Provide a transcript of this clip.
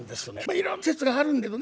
いろんな説があるんですけどね